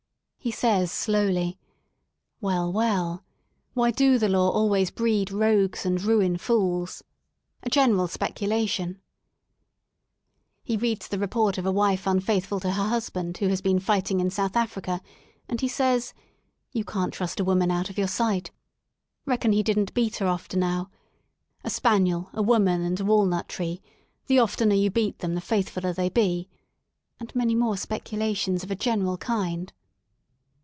He says slowly: WelI, well; why do th^ Law always breed rogues and ruin fools?" 130 LONDON AT LEISURE —a general speculation* He reads the report of a wife unfaithful to her husband who has been fighting in South Africa, and he says ;'' You can*t trust a woman out of your sight Reckon he didn*t beat her oft enow. .•. A spaniel, a woman, and a walnut tree, the ofter you beat 'em the faithful ler they be ■*— and many more speculations of a general kind.